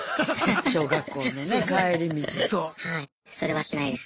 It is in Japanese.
それはしないです。